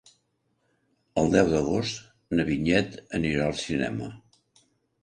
El deu d'agost na Vinyet anirà al cinema.